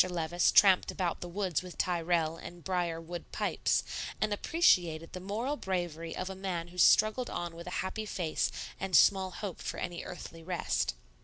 Levice tramped about the woods with Tyrrell and brier wood pipes, and appreciated the moral bravery of a man who struggled on with a happy face and small hope for any earthly rest.